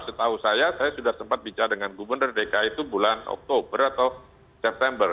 setahu saya saya sudah sempat bicara dengan gubernur dki itu bulan oktober atau september